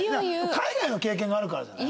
海外の経験があるからじゃない？